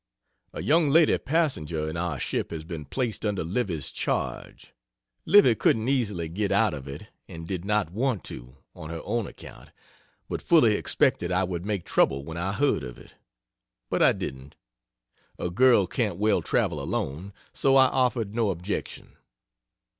A young lady passenger in our ship has been placed under Livy's charge. Livy couldn't easily get out of it, and did not want to, on her own account, but fully expected I would make trouble when I heard of it. But I didn't. A girl can't well travel alone, so I offered no objection.